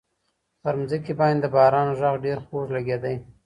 پر مځکي باندي د باران غږ ډېر خوږ لګېدی.